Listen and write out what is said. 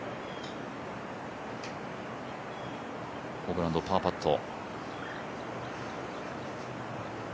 ホブランド、パーパット。